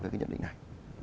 với cái nhận định này